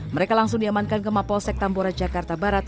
mereka langsung diamankan ke mapolsek tambora jakarta barat